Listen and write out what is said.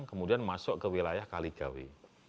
kemudian masuk ke wilayah kalijawi